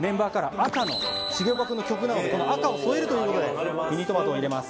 赤の重岡君の曲なのでこの赤を添えるということでミニトマトを入れます